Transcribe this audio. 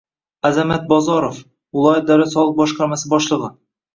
Azamat Bozorov - viloyat davlat soliq boshqarmasi boshlig'i.